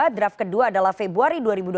draft kedua adalah februari dua ribu dua puluh